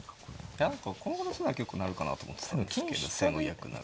いや何かこう戻すのは結構なるかなと思ってたんですけど先後逆なら。